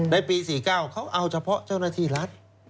ในปี๔๙เขาเอาเฉพาะเจ้าหน้าที่รัฐ